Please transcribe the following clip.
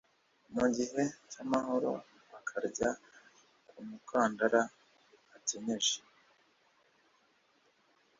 mu gihe cy amahoro akarya ku mukandara akenyeje